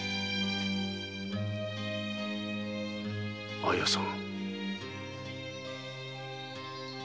綾さん。